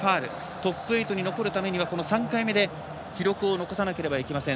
トップ８に残るためには３回目で記録を残さなければいけません。